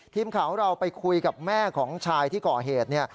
ทีมข่าวเราไปคุยกับแม่ของชายที่เกาะเหตุ